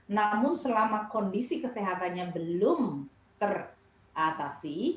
namun selama kondisi kesehatannya belum teratasi